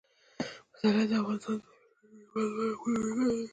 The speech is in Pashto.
پسرلی د افغانستان د هیوادوالو لپاره ویاړ دی.